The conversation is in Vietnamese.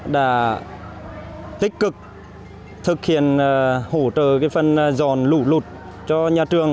đã tích cực thực hiện hỗ trợ phần giòn lụt lụt cho nhà trường